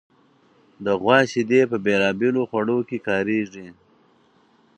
د غوا شیدې په بېلابېلو خوړو کې کارېږي.